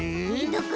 どこ？